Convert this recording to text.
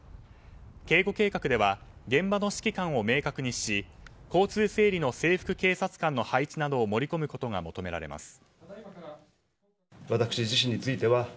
警護計画では現場の指揮官を明確にし交通整理の制服警察官の配置などを盛り込むことが求められます。